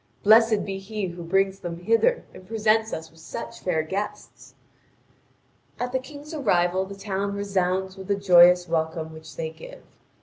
Blessed be he who brings them hither and presents us with such fair guests!" At the King's arrival the town resounds with the joyous welcome which they give.